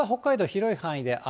広い範囲で雨。